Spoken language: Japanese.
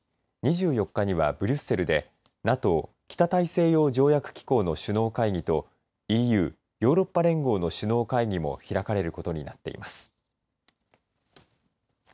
２４日にはブリュッセルでＮＡＴＯ北大西洋条約機構の首脳会議とＥＵヨーロッパ連合の首脳会議も開かれることになっています。